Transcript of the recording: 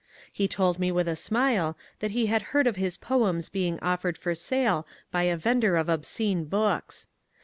He told me with a smile that he had heard of his poems being offered for sale by a vendor of obscene books.